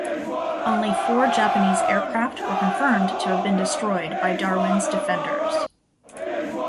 Only four Japanese aircraft were confirmed to have been destroyed by Darwin's defenders.